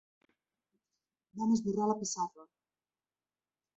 Vam esborrar la pissarra.